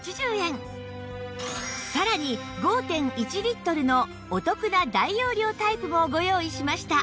さらに ５．１ リットルのお得な大容量タイプもご用意しました